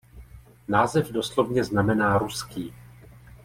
Název doslovně znamená "ruský".